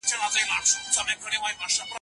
د سږو سرطان درملنه نه لري.